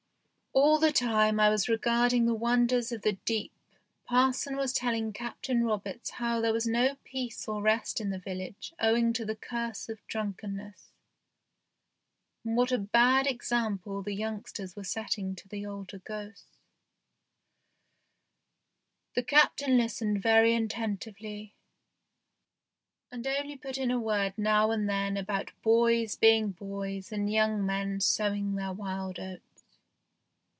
All the time I was regarding the wonders of the deep parson was telling Captain Roberts how there was no peace or rest in the village owing to the curse of drunkenness, and what a bad example the youngsters were setting to the older ghosts. The Captain listened very attentively, and only put in a word now and then about boys being boys and young men sowing their wild oats.